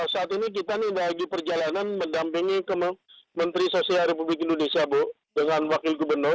saat ini kita lagi perjalanan mendampingi menteri sosial republik indonesia bu dengan wakil gubernur